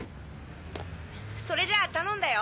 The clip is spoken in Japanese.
それじゃあ頼んだよ。